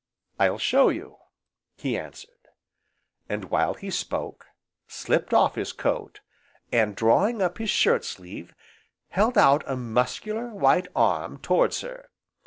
"I'll show you!" he answered, and, while he spoke, slipped off his coat, and drawing up his shirt sleeve, held out a muscular, white arm towards her.